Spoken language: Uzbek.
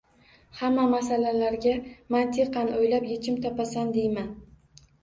Hamma masalalarga mantiqan o`ylab echim topasan, deyman